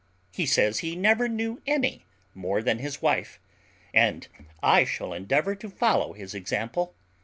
He says he never knew any more than his wife, and I shall endeavour to follow his example.